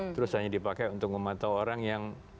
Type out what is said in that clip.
terus hanya dipakai untuk memantau orang yang